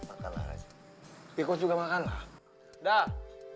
aku juga makanlah